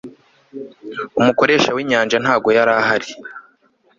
Umukoresha winyanja ntago yarahari